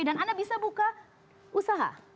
dan anda bisa buka usaha